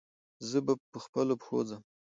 زه به پخپلو پښو ځم.